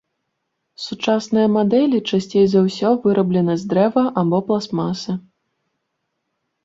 Сучасныя мадэлі часцей за ўсё выраблены з дрэва або пластмасы.